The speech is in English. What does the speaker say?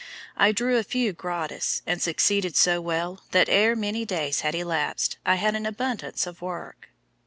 I drew a few gratis, and succeeded so well that ere many days had elapsed I had an abundance of work."